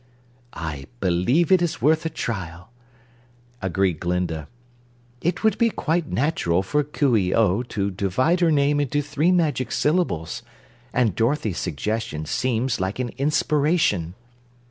"I believe it is worth a trial," agreed Glinda. "It would be quite natural for Coo ee oh to divide her name into three magic syllables, and Dorothy's suggestion seems like an inspiration."